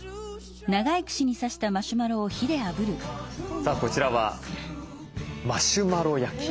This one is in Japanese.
さあこちらはマシュマロ焼き。